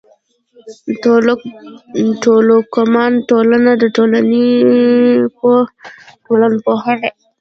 ټولواک ، ټولواکمن، ټولنه، ټولنپوه، ټولنپوهنه